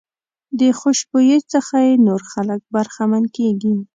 د خوشبويۍ څخه یې نور خلک برخمن کېږي.